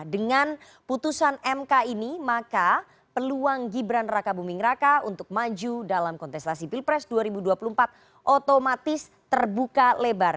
dengan putusan mk ini maka peluang gibran raka buming raka untuk maju dalam kontestasi pilpres dua ribu dua puluh empat otomatis terbuka lebar